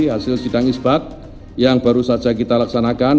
hasil sidang isbat yang baru saja kita laksanakan